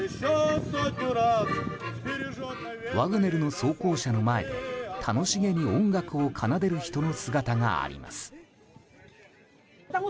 ワグネルの装甲車の前で楽しげに音楽を奏でる人の姿があります。